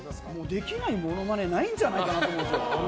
できないモノマネないんじゃないかなと思うんですよ。